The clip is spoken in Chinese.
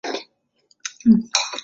解夫娄迁都之后国号东扶余。